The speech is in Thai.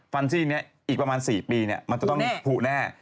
ซี่นี้อีกประมาณ๔ปีมันจะต้องผูแน่